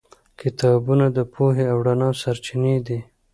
کتابونه د پوهې او رڼا سرچینې دي.